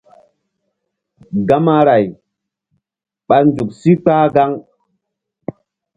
Gamaray ɓa nzuk sí kpah gaŋ.